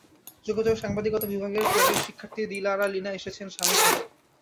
যোগাযোগ ও সাংবাদিকতা বিভাগের সাবেক শিক্ষার্থী দিল আরা লিনা এসেছেন স্বামীসহ।